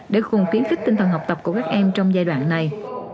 để cùng kiến khích tinh thần học tập của các em trong giai đoạn này